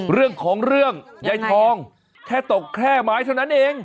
เรื่องของเรื่องยายทองแค่ตกแค่ไม้เท่านั้นเอง